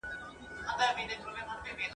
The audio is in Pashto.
زما بچي مي زه پخپله لویومه ..